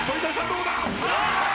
どうだ？